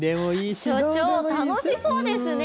所長楽しそうですね。